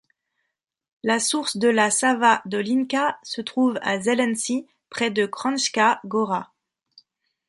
La source de la Sava Dolinka se trouve à Zelenci près de Kranjska Gora.